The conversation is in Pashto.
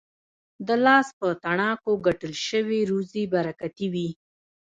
د لاس په تڼاکو ګټل سوې روزي برکتي وي.